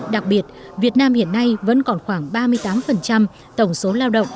đặc biệt việt nam hiện nay vẫn còn khoảng ba mươi tám tổng số lao động